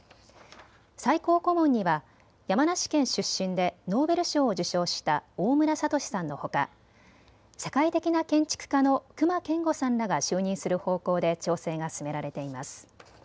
最高顧問には山梨県出身でノーベル賞を受賞した大村智さんのほか世界的な建築家の隈研吾さんらが就任する方向で調整が進められています。